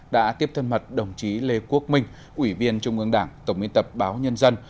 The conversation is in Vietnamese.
đã tiếp thân mật đồng chí lê quốc minh ủy viên trung ương đảng tổng biên tập báo nhân dân